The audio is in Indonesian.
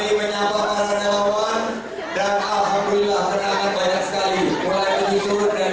saya melihat potensi kemenangan prabowo sandi di sulawesi selatan